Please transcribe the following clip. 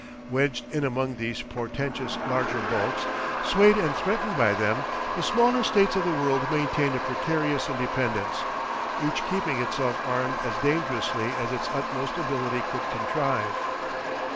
Wedged in among these portentous larger bulks, swayed and threatened by them, the smaller states of the world maintained a precarious independence, each keeping itself armed as dangerously as its utmost ability could contrive.